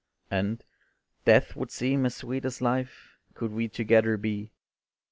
And "Death would seem as sweet as life, Could we together be."